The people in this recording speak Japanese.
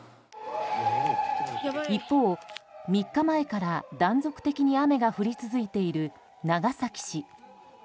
一方、３日前から断続的に雨が降り続いている長崎市。